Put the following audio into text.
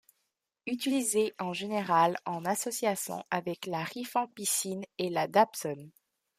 Utilisé en général en association avec la rifampicine et la dapsone.